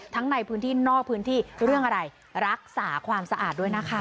ในพื้นที่นอกพื้นที่เรื่องอะไรรักษาความสะอาดด้วยนะคะ